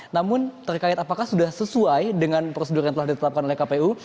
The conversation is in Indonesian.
namun terkait apakah sudah sesuai dengan prosedur yang telah ditetapkan oleh kpu